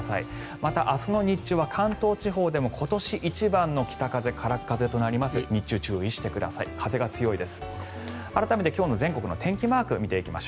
また明日の日中は関東地方でも今年一番の北風空っ風となります。